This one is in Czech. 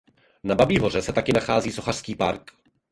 Na Babí hoře se taky nachází sochařský park.